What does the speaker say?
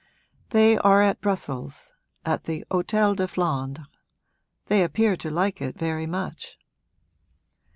'They are at Brussels, at the Hôtel de Flandres. They appear to like it very much.'